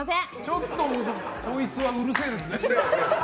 ちょっと、こいつはうるせえですね。